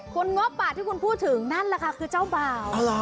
คุณงบที่คุณพูดถึงนั่นแหละค่ะคือเจ้าบ่าว